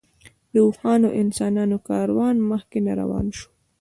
د اوښانو او انسانانو کاروان مکې نه روان شو.